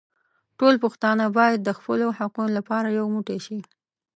ټول پښتانه بايد د خپلو حقونو لپاره يو موټي شي.